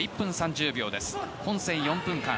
本戦４分間。